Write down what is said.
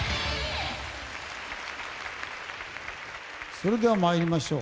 それでは参りましょう。